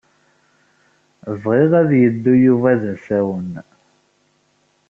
Bɣiɣ ad yeddu Yuba d asawen.